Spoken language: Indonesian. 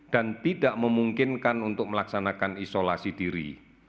dan tidak memungkinkan untuk melaksanakan isolasi diri